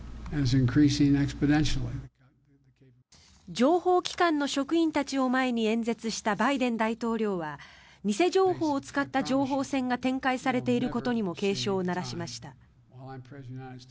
情報機関の職員たちを前に演説したバイデン大統領は偽情報を使った情報戦が展開されていることにも警鐘を鳴らしました。